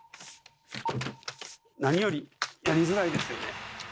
何よりやりづらいですよね。